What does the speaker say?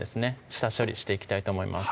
下処理していきたいと思います